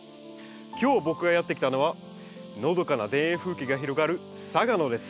今日僕がやって来たのはのどかな田園風景が広がる嵯峨野です。